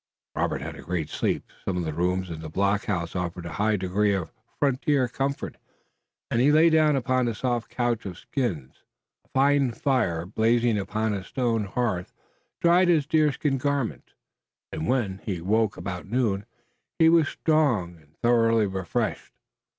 Robert had a great sleep. Some of the rooms in the blockhouse offered a high degree of frontier comfort, and he lay down upon a soft couch of skins. A fine fire blazing upon a stone hearth dried his deerskin garments, and, when he awoke about noon, he was strong and thoroughly refreshed.